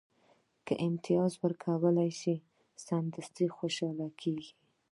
که امتیاز ورکړل شي، سمدستي خوشاله کېږي.